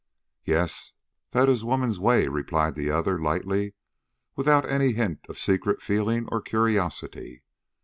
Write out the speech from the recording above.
"Yes, that is woman's way," replied the other, lightly, without any hint of secret feeling or curiosity.